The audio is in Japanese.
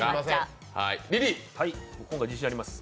今回自信あります。